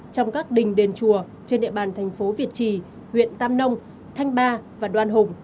trong các đình đền chùa trên địa bàn thành phố việt trì huyện tam nông thanh ba và đoan hùng